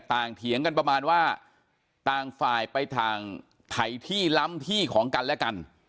เถียงกันประมาณว่าต่างฝ่ายไปทางไถที่ล้ำที่ของกันและกัน